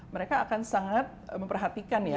mereka akan sangat memperhatikan ya